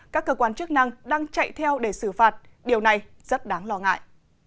các cơ quan chức năng đang chạy theo để xử phạt điều này rất đáng lo ngại